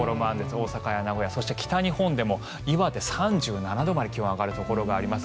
大阪や名古屋そして、北日本でも岩手、３７度まで気温が上がるところがあります。